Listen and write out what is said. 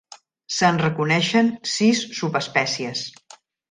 Se'n reconeixen sis subespècies.